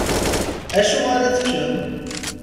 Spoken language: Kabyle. Acu ara teččem?